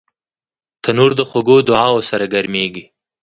تنور د خوږو دعاوو سره ګرمېږي